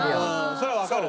それはわかる。